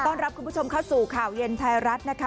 รับคุณผู้ชมเข้าสู่ข่าวเย็นไทยรัฐนะคะ